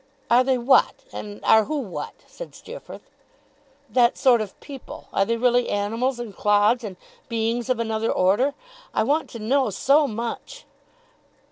'Are they what? And are who what?' said Steerforth. 'That sort of people. Are they really animals and clods, and beings of another order? I want to know SO much.